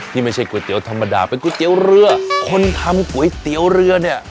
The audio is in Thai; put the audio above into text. ไม่ใช่ก๋วยเตี๋ยวธรรมดาเป็นก๋วยเตี๋ยวเรือคนทำก๋วยเตี๋ยวเรือเนี่ย